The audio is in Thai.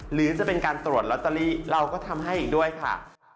หรือจะเป็นการตรวจลอตเตอรี่เราก็ทำให้อีกด้วยค่ะ